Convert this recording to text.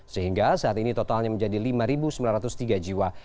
sehingga saat ini totalnya menjadi lima sembilan ratus tiga jiwa